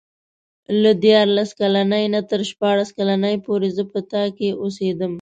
له دیارلس کلنۍ نه تر شپاړس کلنۍ پورې زه په تا کې اوسېدم.